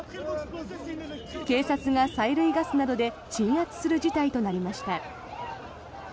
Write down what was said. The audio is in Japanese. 警察が催涙ガスなどで鎮圧する事態となりました。